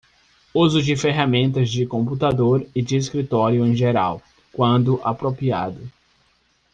Uso de ferramentas de computador e de escritório em geral, quando apropriado.